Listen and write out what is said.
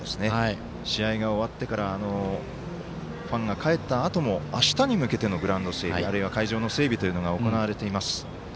試合が終わってから帰ったあともあしたに向けてのグラウンド整備あるいは会場の整備というのが行われています。